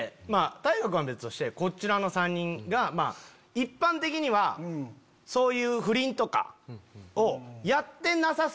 太賀君は別としてこちらの３人が一般的にはそういう不倫とかをやってなさそう。